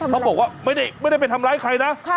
เขาบอกว่าไม่ได้ไปทำร้ายใครนะ